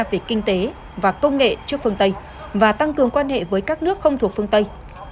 về kinh tế và công nghệ trước phương tây và tăng cường quan hệ với các nước không thuộc phương tây